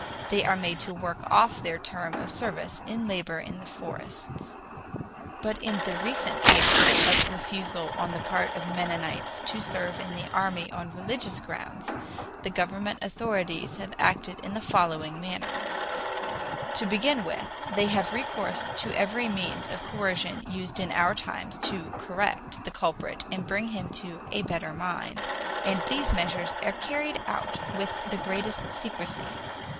They are made to work off their term of service in labor in the forests. But in the recent cases of refusal on the part of Mennonites to serve in the army on religious grounds, the government authorities have acted in the following manner: To begin with, they have recourse to every means of coercion used in our times to "correct" the culprit and bring him to "a better mind," and these measures are carried out with the greatest secrecy.